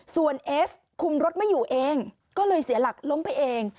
ส่วนเอสคุมรถไม่อยู่เองก็เลยเสียหลักล้มไปเอง